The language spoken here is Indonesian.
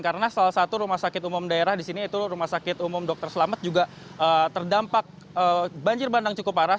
karena salah satu rumah sakit umum daerah di sini itu rumah sakit umum dokter selamat juga terdampak banjir bandang cukup parah